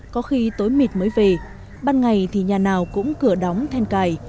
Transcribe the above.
có khi tối mịt mới về ban ngày thì nhà nào cũng cửa đóng then cài